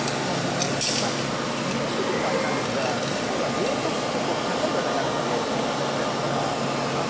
理論的にはあれなんですが今度はずっと血糖が高い状態になるので糖尿病になっちゃいますから。